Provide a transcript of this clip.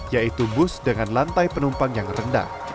yaitu bus dengan lantai penumpang yang rendah